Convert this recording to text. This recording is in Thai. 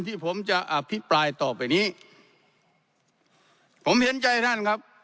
ที่ผมจะอภิปรายต่อไปนี้ผมเห็นใจท่านครับ